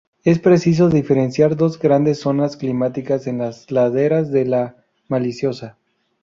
Es preciso diferenciar dos grandes zonas climáticas en las laderas de La Maliciosa.